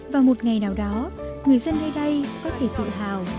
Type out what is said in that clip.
và một ngày nào đó người dân đây đây có thể tự hào